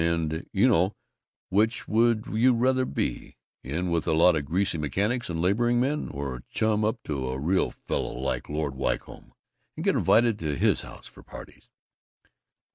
And you now, which would you rather do: be in with a lot of greasy mechanics and laboring men, or chum up to a real fellow like Lord Wycombe, and get invited to his house for parties?"